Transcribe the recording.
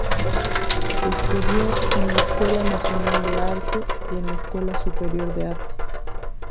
Estudió en la Escuela Nacional de Arte y en la Escuela Superior de Arte.